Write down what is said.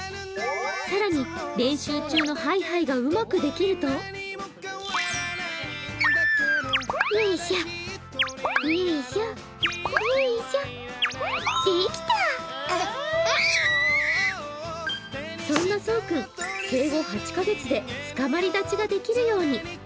更に、練習中のハイハイがうまくできるとそんなそう君、生後８カ月でつかまり立ちができるように。